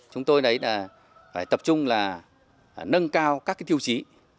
chúng tôi đấy là phải tập trung là nâng cao các tiêu chí